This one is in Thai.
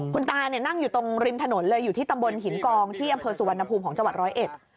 คุณตาเนี่ยนั่งอยู่ตรงริมถนนเลยอยู่ที่ตำบลหินกองที่อำเภอสุวรรณภูมิของจังหวัดร้อยเอ็ด